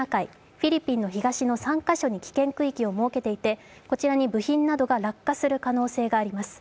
フィリピンの東の３か所に危険区域を設けていてこちらに部品などが落下する可能性があります。